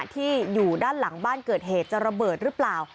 ที่อยู่ด้านหลังบ้านเกิดเหตุจะระเบิดหรือเปล่า